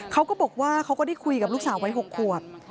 เขาก็บอกว่าเขาก็ได้คุยกับลูกสาววัย๖ขวบ